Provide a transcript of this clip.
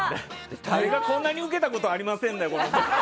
誰がこんなにウケたことがありませんだ！